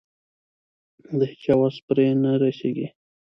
د هيچا وس پرې نه رسېږي.